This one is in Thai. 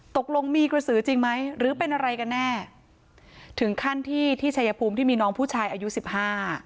ตกลงมีกระสือจริงไหมหรือเป็นอะไรกันแน่ถึงขั้นที่ที่ชายภูมิที่มีน้องผู้ชายอายุสิบห้า